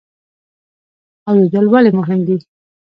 اوریدل ولې مهم دي؟